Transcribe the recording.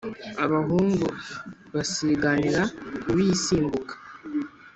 abahungu basiganira kuwisimbuka